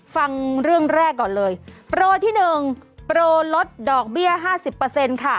ฟังเรื่องแรกก่อนเลยโปรที่๑โปรลดดอกเบียน๕๐ค่ะ